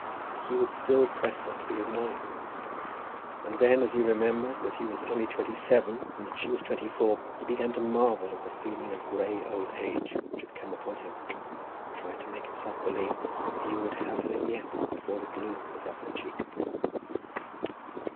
He would still press her to be his wife. And then as he remembered that he was only twenty seven and that she was twenty four, he began to marvel at the feeling of grey old age which had come upon him, and tried to make himself believe that he would have her yet before the bloom was off her cheek.